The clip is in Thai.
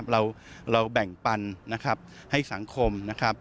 เราแบ่งปันให้สังคม